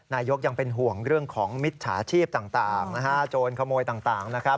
นายกยังเป็นห่วงเรื่องของมิจฉาชีพต่างโจรขโมยต่าง